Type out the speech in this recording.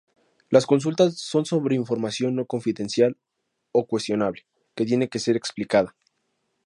Las consultas son sobre información no confidencial o cuestionable que tiene que ser explicada.